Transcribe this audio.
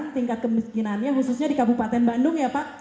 tingkat kemiskinannya khususnya di kabupaten bandung ya pak